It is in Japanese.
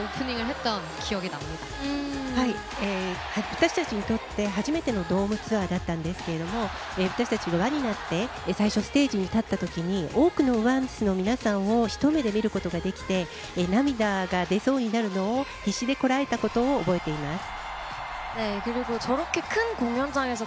私たちにとって初めてのドームツアーだったんですけど私たちが輪になって最初ステージに立ったときに多くのＯＮＣＥの皆さんを一目で見ることができて涙が出そうになるのを必死でこらえたことを覚えています。